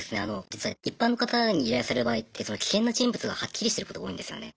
実は一般の方に依頼される場合って危険な人物がはっきりしてることが多いんですよね。